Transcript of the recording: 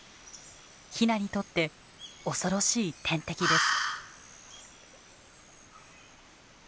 ヒナにとって恐ろしい天敵です。